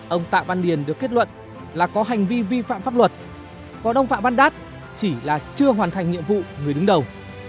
ông tạ văn điền được kết luận là có hành vi vi phạm pháp luật có đông phạm văn đát chỉ là chưa hoàn thành nhiệm vụ người đứng đầu